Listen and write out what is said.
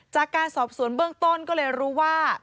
จากการสอบสวนเบื้องต้นก็เลยรู้ว่า